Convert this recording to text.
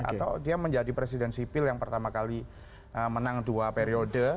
atau dia menjadi presiden sipil yang pertama kali menang dua periode